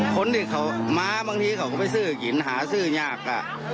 คนที่เขามาบางทีเขาก็ไปซื้อกินหาซื้อยาก